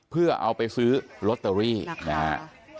เพื่อเอาไปซื้อลอตเตอรี่นะฮะ